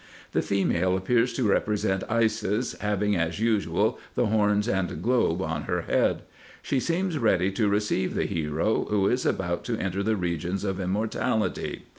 The female appears to represent Isis, having, as usual, the horns and globe on her head. She seems ready to receive the hero, who is about to enter the regions of immortality.